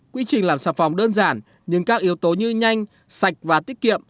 quy trình làm xà phòng đơn giản nhưng các yếu tố như nhanh sạch và tiết kiệm